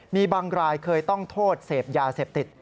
มีบางรายเคยต้องโทษเสพยาเสพติด